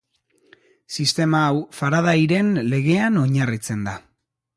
Sistema hau Faradayren legean oinarritzen da.